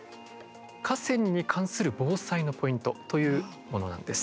河川に関する防災のポイントというものなんです。